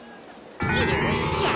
よっしゃあ！